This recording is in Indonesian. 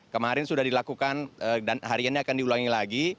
kemarin sudah dilakukan dan hari ini akan diulangi lagi